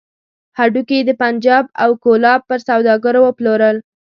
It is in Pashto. هډوکي يې د پنجاب او کولاب پر سوداګرو وپلورل.